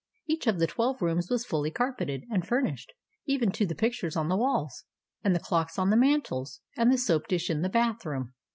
Each of the twelve rooms was fully carpeted and furnished, even to the pictures on the walls, and the clocks 196 THE ADVENTURES OF MABEL on the mantels, and the soap dish in the bath room.